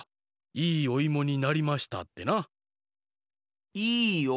「いいおいもになりました」？